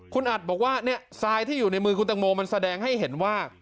คุณอัดบอกว่าทรายที่อยู่ในมือคุณตังโมมันแสดงให้เห็นว่า